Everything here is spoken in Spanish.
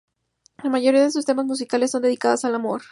La mayoría de sus temas musicales son dedicadas al amor.